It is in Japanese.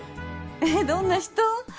えっどんな人？